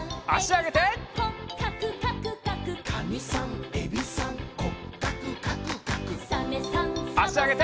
あしあげて。